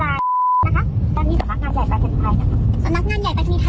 ตอนนี้สำนักงานใหญ่ไปทันไทยนะครับ